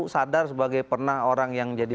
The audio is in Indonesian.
sadar sebagai pernah orang yang jadi